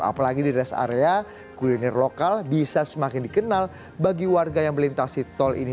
apalagi di rest area kuliner lokal bisa semakin dikenal bagi warga yang melintasi tol ini